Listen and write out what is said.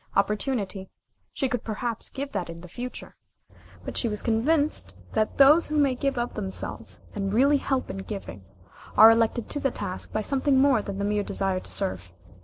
Opportunity she could perhaps give that in the future, but she was convinced that those who may give of themselves, and really help in the giving, are elected to the task by something more than the mere desire to serve.